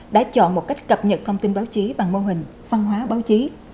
đã chọn một cách cập nhật thông tin báo chí bằng mô hình văn hóa báo chí